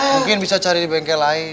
mungkin bisa cari di bengkel lain